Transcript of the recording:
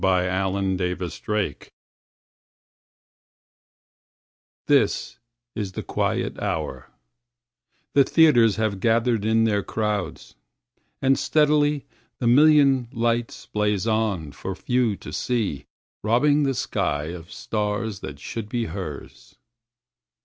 Sara Teasdale Broadway THIS is the quiet hour; the theaters Have gathered in their crowds, and steadily The million lights blaze on for few to see, Robbing the sky of stars that should be hers.